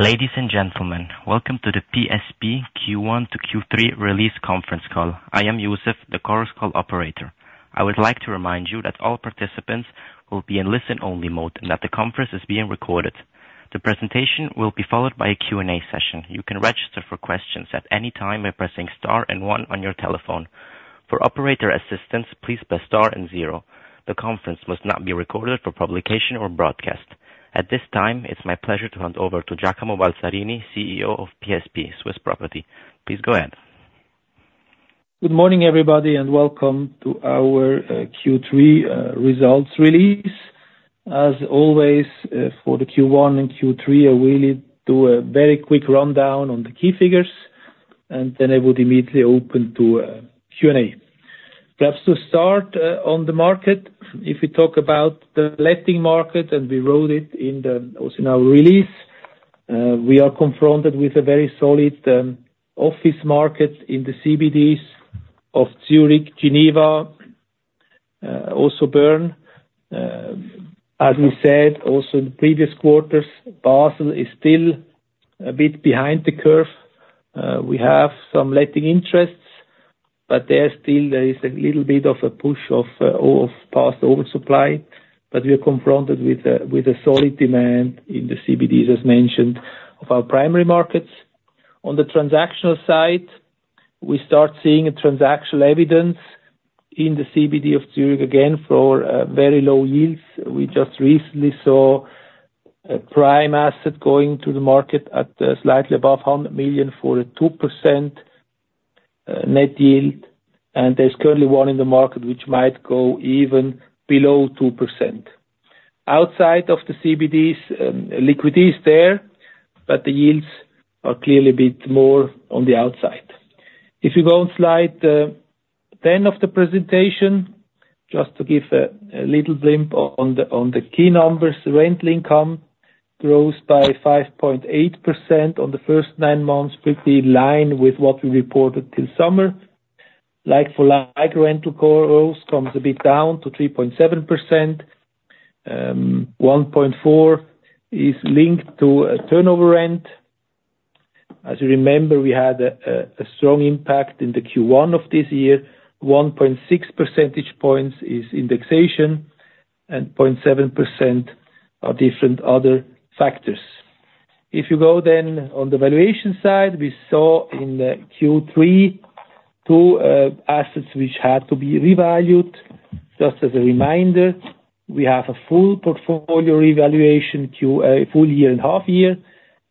Ladies and gentlemen, welcome to the PSP Q1 to Q3 release conference call. I am Yusuf, the Chorus Call operator. I would like to remind you that all participants will be in listen-only mode and that the conference is being recorded. The presentation will be followed by a Q&A session. You can register for questions at any time by pressing star and one on your telephone. For operator assistance, please press star and zero. The conference must not be recorded for publication or broadcast. At this time, it's my pleasure to hand over to Giacomo Balzarini, CEO of PSP Swiss Property. Please go ahead. Good morning, everybody, and welcome to our Q3 results release. As always, for the Q1 and Q3, I will do a very quick rundown on the key figures, and then I would immediately open to Q&A. Perhaps to start on the market, if we talk about the letting market, and we wrote it in our release, we are confronted with a very solid office market in the CBDs of Zurich, Geneva, also Bern. As we said also in the previous quarters, Basel is still a bit behind the curve. We have some letting interests, but there is still a little bit of a push of past oversupply. But we are confronted with a solid demand in the CBDs, as mentioned, of our primary markets. On the transactional side, we start seeing transactional evidence in the CBD of Zurich again for very low yields. We just recently saw a prime asset going to the market at slightly above 100 million for a 2% net yield, and there's currently one in the market which might go even below 2%. Outside of the CBDs, liquidity is there, but the yields are clearly a bit more on the outside. If you go on slide 10 of the presentation, just to give a little blink on the key numbers, rental income grows by 5.8% on the first nine months, pretty in line with what we reported till summer. Like-for-like rental growth comes a bit down to 3.7%. 1.4% is linked to turnover rent. As you remember, we had a strong impact in the Q1 of this year. 1.6 percentage points is indexation, and 0.7% are different other factors. If you go then on the valuation side, we saw in Q3 two assets which had to be revalued. Just as a reminder, we have a full portfolio revaluation full year and half year,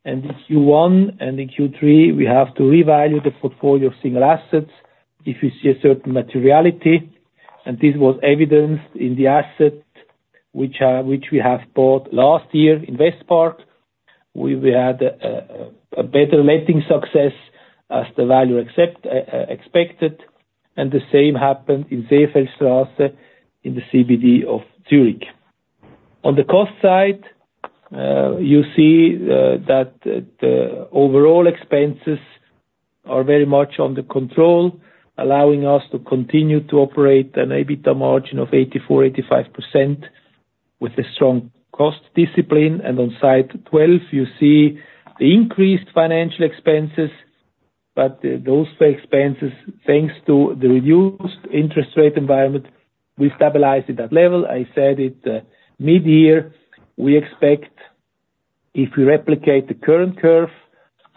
and in Q1 and in Q3, we have to revalue the portfolio of single assets if we see a certain materiality. And this was evidenced in the asset which we have bought last year in Westpark. We had a better letting success as the value expected. And the same happened in Seefeldstrasse in the CBD of Zurich. On the cost side, you see that the overall expenses are very much under control, allowing us to continue to operate an EBITDA margin of 84%-85% with a strong cost discipline. And on slide 12, you see the increased financial expenses, but those expenses, thanks to the reduced interest rate environment, we've stabilized at that level. I said it mid-year. We expect, if we replicate the current curve,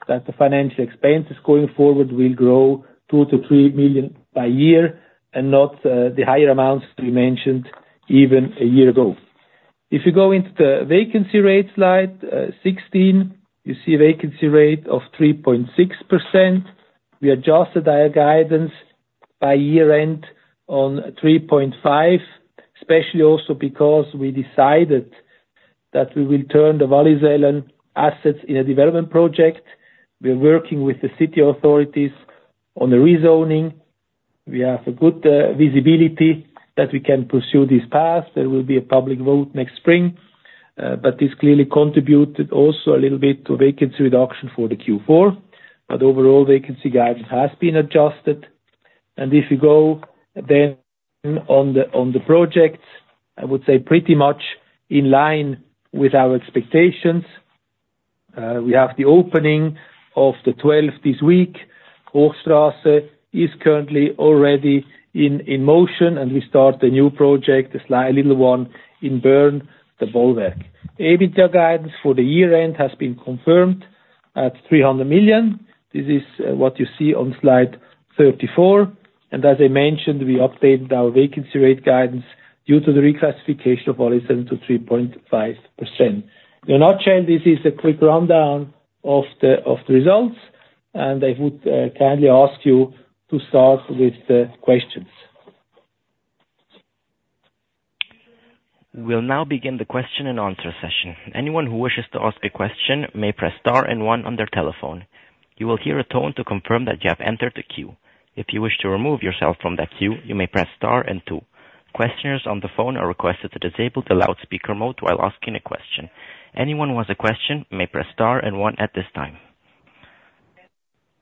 that the financial expenses going forward will grow 2 million-3 million by year and not the higher amounts we mentioned even a year ago. If you go into the vacancy rate slide 16, you see a vacancy rate of 3.6%. We adjusted our guidance by year-end on 3.5%, especially also because we decided that we will turn the Wallisellen assets in a development project. We are working with the city authorities on the rezoning. We have good visibility that we can pursue this path. There will be a public vote next spring. But this clearly contributed also a little bit to vacancy reduction for the Q4. But overall, vacancy guidance has been adjusted. And if you go then on the projects, I would say pretty much in line with our expectations, we have the opening of the 12th this week. Hochstraße is currently already in motion, and we start a new project, a little one in Bern, the Bollwerk. EBITDA guidance for the year-end has been confirmed at 300 million. This is what you see on slide 34. And as I mentioned, we updated our vacancy rate guidance due to the reclassification of Wallisellen to 3.5%. In a nutshell, this is a quick rundown of the results. And I would kindly ask you to start with the questions. We'll now begin the question-and-answer session. Anyone who wishes to ask a question may press star and one on their telephone. You will hear a tone to confirm that you have entered the queue. If you wish to remove yourself from that queue, you may press star and two. Questioners on the phone are requested to disable the loudspeaker mode while asking a question. Anyone who has a question may press star and one at this time.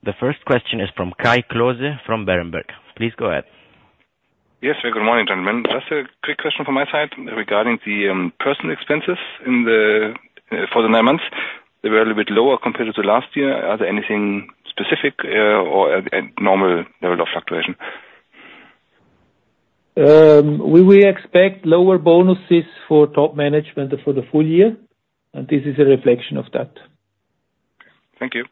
The first question is from Kai Klose from Berenberg. Please go ahead. Yes, good morning, gentlemen. Just a quick question from my side regarding the personnel expenses for the nine months. They were a little bit lower compared to last year. Are there anything specific or a normal level of fluctuation? We expect lower bonuses for top management for the full year, and this is a reflection of that. Thank you.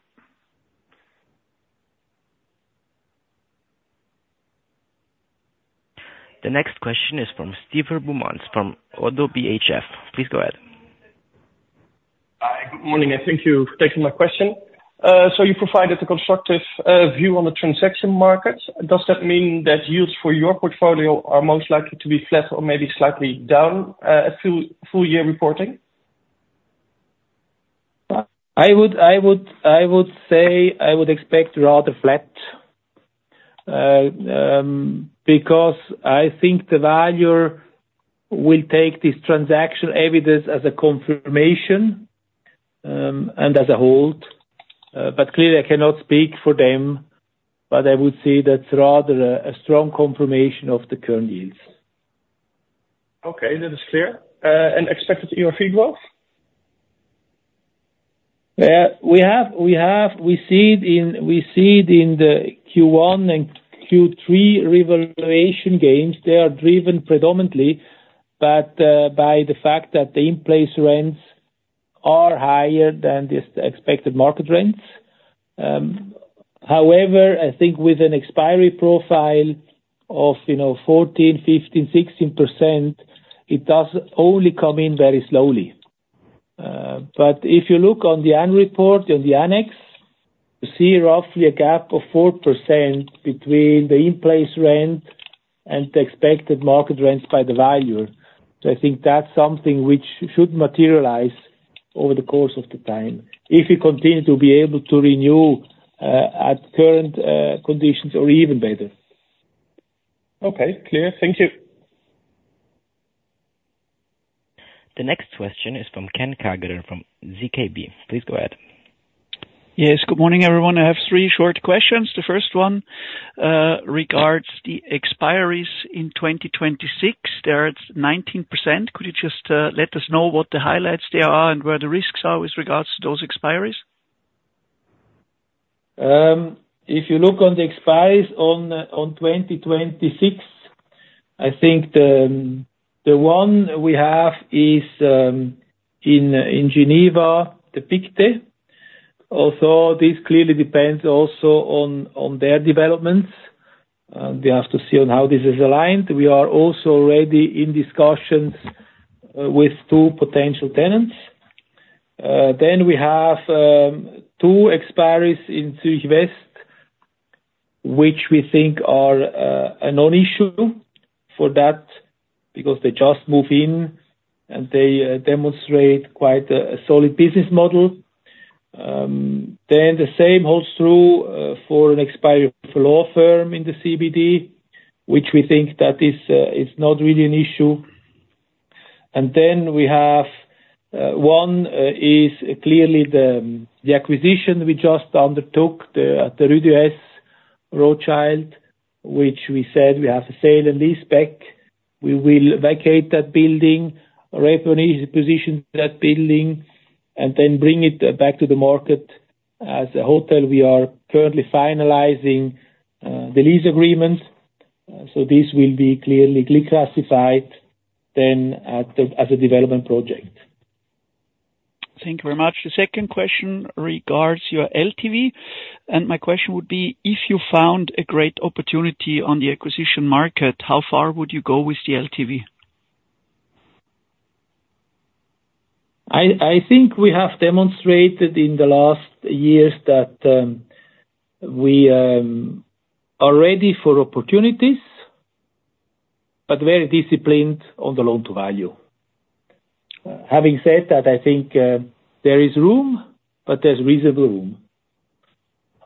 The next question is from Steven Boumans from ODDO BHF. Please go ahead. Good morning. Thank you for taking my question. So you provided a constructive view on the transaction markets. Does that mean that yields for your portfolio are most likely to be flat or maybe slightly down at full-year reporting? I would say I would expect rather flat because I think the valuer will take this transaction evidence as a confirmation and as a hold. But clearly, I cannot speak for them, but I would say that's rather a strong confirmation of the current yields. Okay. That is clear. And expected ERV growth? We see it in the Q1 and Q3 revaluation gains. They are driven predominantly by the fact that the in-place rents are higher than the expected market rents. However, I think with an expiry profile of 14%, 15%, 16%, it does only come in very slowly. But if you look on the annual report, on the annex, you see roughly a gap of 4% between the in-place rent and the expected market rents by the valuer. So I think that's something which should materialize over the course of the time if we continue to be able to renew at current conditions or even better. Okay. Clear. Thank you. The next question is from Ken Kagerer from ZKB. Please go ahead. Yes. Good morning, everyone. I have three short questions. The first one regards the expiries in 2026. There are 19%. Could you just let us know what the highlights there are and where the risks are with regards to those expiries? If you look at the expiries on 2026, I think the one we have is in Geneva, the Pictet. Although this clearly depends also on their developments. We have to see how this is aligned. We are also already in discussions with two potential tenants. Then we have two expiries in Zurich West, which we think are a non-issue for that because they just moved in and they demonstrate quite a solid business model. Then the same holds true for an expiry for a law firm in the CBD, which we think that is not really an issue. And then we have one which is clearly the acquisition we just undertook at the Rue de Rothschild, which we said we have a sale and lease back. We will vacate that building, reposition that building, and then bring it back to the market as a hotel. We are currently finalizing the lease agreement. So this will be clearly classified then as a development project. Thank you very much. The second question regards your LTV. And my question would be, if you found a great opportunity on the acquisition market, how far would you go with the LTV? I think we have demonstrated in the last years that we are ready for opportunities, but very disciplined on the loan-to-value. Having said that, I think there is room, but there's reasonable room.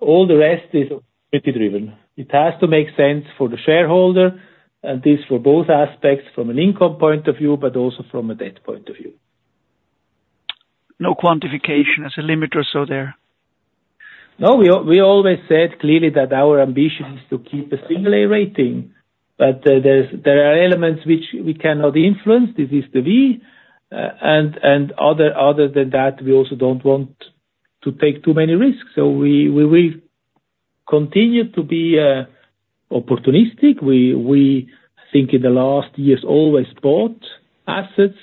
All the rest is opportunity-driven. It has to make sense for the shareholder, and this for both aspects from an income point of view, but also from a debt point of view. No quantification as a limit or so there? No, we always said clearly that our ambition is to keep a Single-A rating, but there are elements which we cannot influence. This is the V, and other than that, we also don't want to take too many risks, so we will continue to be opportunistic. We think in the last years always bought assets,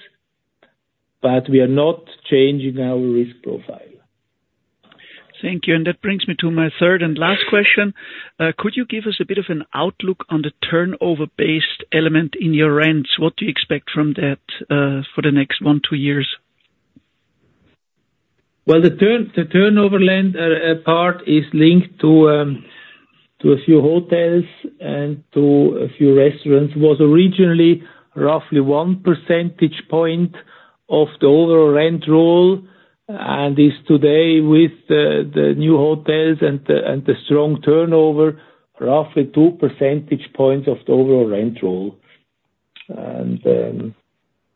but we are not changing our risk profile. Thank you. And that brings me to my third and last question. Could you give us a bit of an outlook on the turnover-based element in your rents? What do you expect from that for the next one, two years? The turnover part is linked to a few hotels and to a few restaurants. It was originally roughly one percentage point of the overall rent roll. Today, with the new hotels and the strong turnover, roughly two percentage points of the overall rent roll.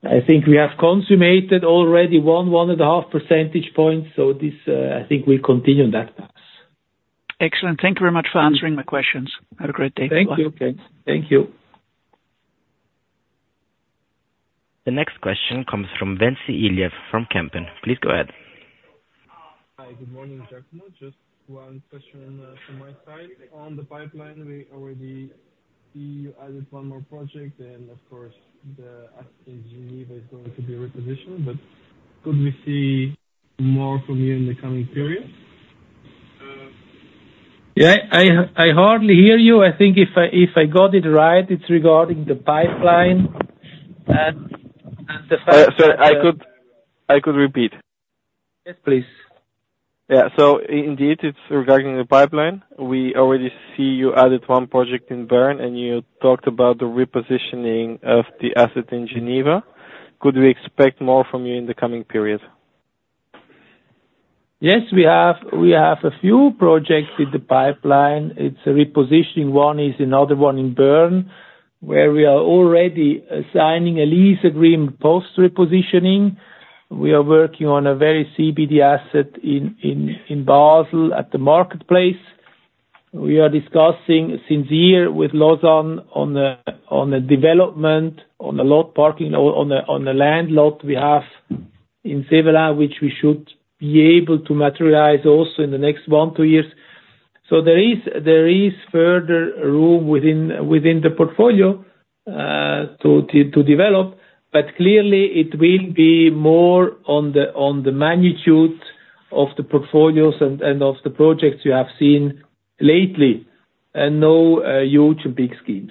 I think we have consummated already one, one and a half percentage points. I think we'll continue on that path. Excellent. Thank you very much for answering my questions. Have a great day. Thank you. Thank you. The next question comes from Ventsi Iliev from Kempen. Please go ahead. Hi. Good morning, Jacob. Just one question from my side. On the pipeline, we already see you added one more project. And of course, the asset in Geneva is going to be repositioned. But could we see more from you in the coming period? Yeah. I hardly hear you. I think if I got it right, it's regarding the pipeline. And the. Sorry. I could repeat. Yes, please. Yeah. So indeed, it's regarding the pipeline. We already see you added one project in Bern, and you talked about the repositioning of the asset in Geneva. Could we expect more from you in the coming period? Yes. We have a few projects in the pipeline. It's a repositioning. One is another one in Bern, where we are already signing a lease agreement post-repositioning. We are working on a very CBD asset in Basel at the marketplace. We are discussing since year with Lausanne on the development, on the lot parking, on the land lot we have in Sébeillon, which we should be able to materialize also in the next one, two years. So there is further room within the portfolio to develop. But clearly, it will be more on the magnitude of the portfolios and of the projects you have seen lately, and no huge and big schemes.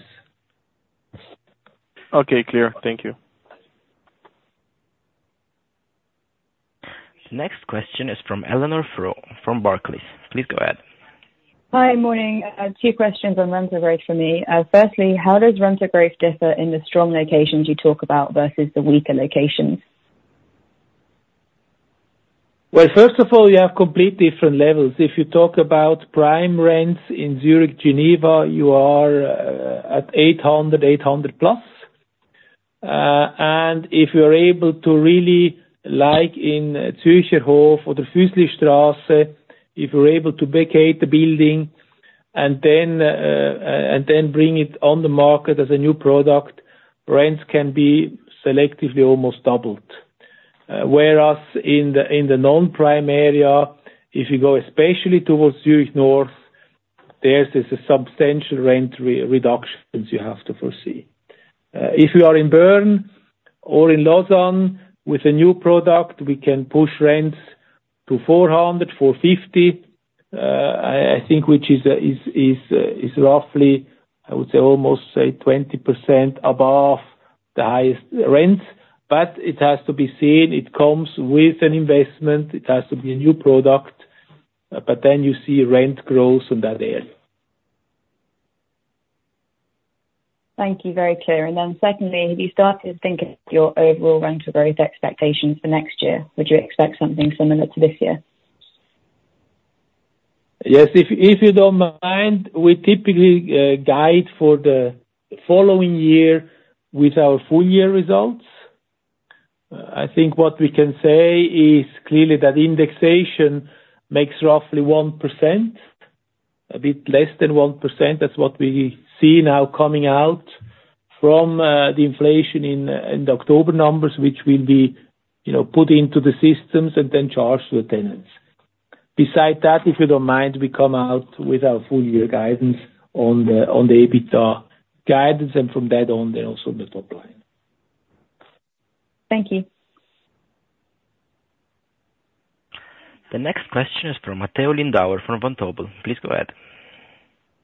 Okay. Clear. Thank you. The next question is from Eleanor Frew from Barclays. Please go ahead. Hi. Morning. Two questions on rental growth for me. Firstly, how does rental growth differ in the strong locations you talk about versus the weaker locations? First of all, you have complete different levels. If you talk about prime rents in Zurich, Geneva, you are at 800, 800+. And if you are able to really like in Zürcherhof or the Füsslistrasse, if you are able to vacate the building and then bring it on the market as a new product, rents can be selectively almost doubled. Whereas in the non-prime area, if you go especially towards Zurich North, there is a substantial rent reduction you have to foresee. If you are in Bern or in Lausanne with a new product, we can push rents to 400- 450, I think, which is roughly, I would say, almost say 20% above the highest rents. But it has to be seen. It comes with an investment. It has to be a new product. But then you see rent growth in that area. Thank you. Very clear. And then secondly, have you started to think of your overall rental growth expectations for next year? Would you expect something similar to this year? Yes. If you don't mind, we typically guide for the following year with our full-year results. I think what we can say is clearly that indexation makes roughly 1%, a bit less than 1%. That's what we see now coming out from the inflation in October numbers, which will be put into the systems and then charged to the tenants. Besides that, if you don't mind, we come out with our full-year guidance on the EBITDA guidance, and from that on, then also on the top line. Thank you. The next question is from Matteo Lindauer from Vontobel. Please go ahead.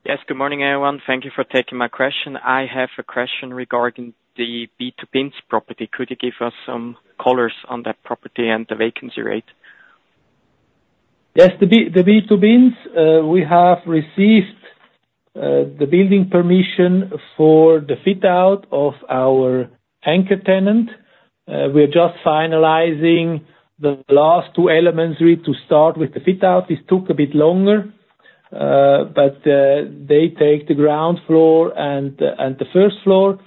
Yes. Good morning, everyone. Thank you for taking my question. I have a question regarding the B2Binz property. Could you give us some color on that property and the vacancy rate? Yes. The B2Binz, we have received the building permission for the fit-out of our anchor tenant. We are just finalizing the last two elements to start with the fit-out. This took a bit longer. But they take the ground floor and the first floor.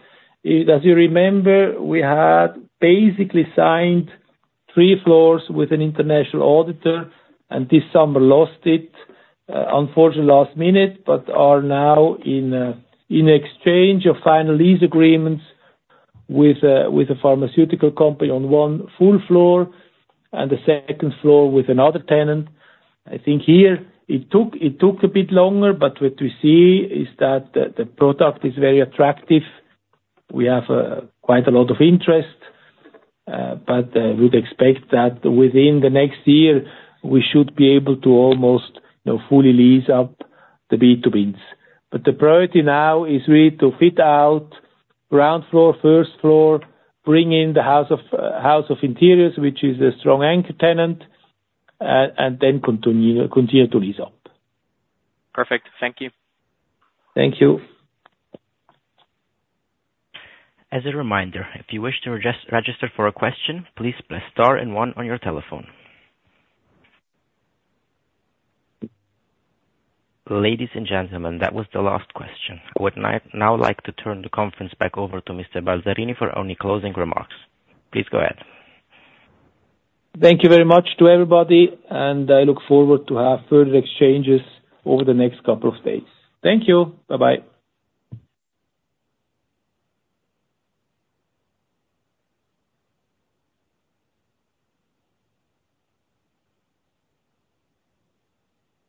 As you remember, we had basically signed three floors with an international auditor and this summer lost it, unfortunately, last minute, but are now in exchange of final lease agreements with a pharmaceutical company on one full floor and the second floor with another tenant. I think here it took a bit longer, but what we see is that the product is very attractive. We have quite a lot of interest. But we would expect that within the next year, we should be able to almost fully lease up the B2Binz. But the priority now is really to fit out ground floor, first floor, bring in the House of Interiors, which is a strong anchor tenant, and then continue to lease up. Perfect. Thank you. Thank you. As a reminder, if you wish to register for a question, please press star and one on your telephone. Ladies and gentlemen, that was the last question. I would now like to turn the conference back over to Mr. Balzarini for only closing remarks. Please go ahead. Thank you very much to everybody. And I look forward to have further exchanges over the next couple of days. Thank you. Bye-bye.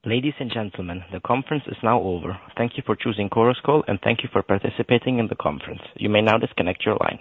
Ladies and gentlemen, the conference is now over. Thank you for choosing Chorus Call, and thank you for participating in the conference. You may now disconnect your line.